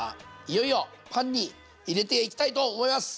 いよいよパンに入れていきたいと思います！